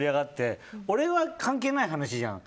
俺は関係ない話じゃん。